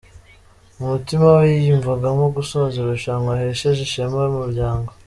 Mu mutima we yiyumvagamo gusoza irushanwa ahesheje ishema umuryango.